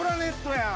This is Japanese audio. やん！